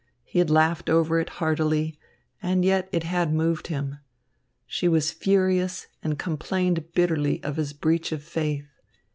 He had laughed over it heartily, and yet it had moved him. She was furious and complained bitterly of his breach of faith.